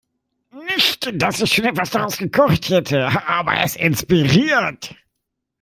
Nicht, dass ich schon etwas daraus gekocht hätte, aber es inspiriert.